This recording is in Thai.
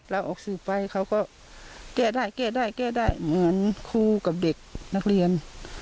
เราออกสือไปเขาก็แก้ได้เหมือนครูกับเด็กนักเรียน